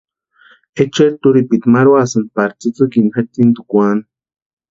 Echeri turhipiti marhuasïnti pari tsïtsïki jatsintukwaani.